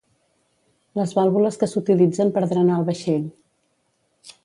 Les vàlvules que s'utilitzen per drenar el vaixell.